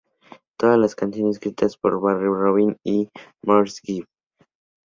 Todas las canciones escritas por Barry, Robin y Maurice Gibb.